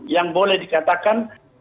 yang boleh dikatakan